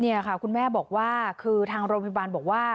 นี่ค่ะคุณแม่บอกว่าคือทางโรงพยาบาลบอกว่า